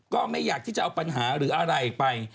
ก็ไม่อยากที่จะเอาปัญหาหรืออะไรไป